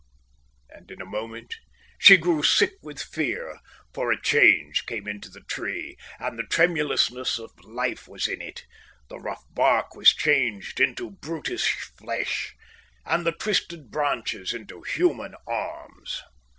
And in a moment she grew sick with fear, for a change came into the tree, and the tremulousness of life was in it; the rough bark was changed into brutish flesh and the twisted branches into human arms.